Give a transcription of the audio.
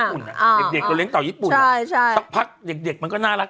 อ่าเด็กเด็กเราเลี้ยงเต่าญี่ปุ่นอ่ะใช่ใช่สักพักเด็กเด็กมันก็น่ารัก